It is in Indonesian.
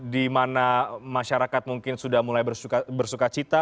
di mana masyarakat mungkin sudah mulai bersuka cita